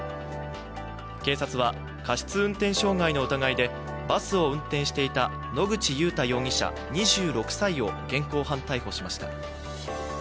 警察は、過失運転傷害の疑いでバスを運転していた野口祐太容疑者２６歳を現行犯逮捕しました。